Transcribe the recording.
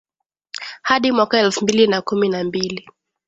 hadi mwaka elfu mbili na kumi na mbili